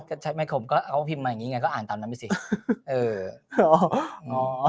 ก็ใช้ไม่ขมก็เขาพิมพ์มาอย่างนี้ไงก็อ่านตามนั้นไปสิเออ